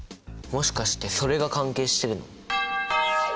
もしかしてそれが関係してるの？